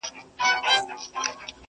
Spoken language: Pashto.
o زور چي قدم کېږدي، هلته لېږدي!